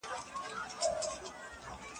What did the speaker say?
اختلاف باید مدیریت شي.